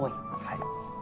はい。